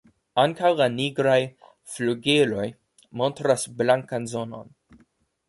Ankaŭ la nigraj flugiloj montras blankan zonon.